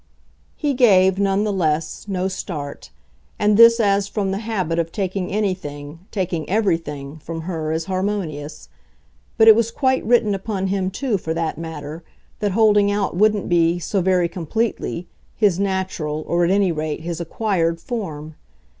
He gave, none the less, no start and this as from the habit of taking anything, taking everything, from her as harmonious. But it was quite written upon him too, for that matter, that holding out wouldn't be, so very completely, his natural, or at any rate his acquired, form.